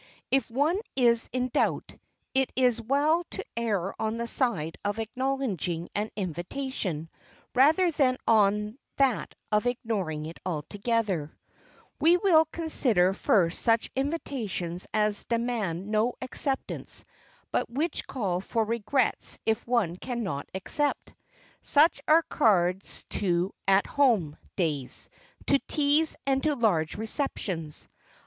If one is in doubt, it is well to err on the side of acknowledging an invitation, rather than on that of ignoring it altogether. We will consider first such invitations as demand no acceptance but which call for regrets if one can not accept. Such are cards to "At Home" days, to teas and to large receptions.